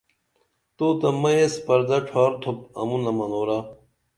تو تہ مئی ایس پردہ ڇھار تُھوپ امُونہ منورہ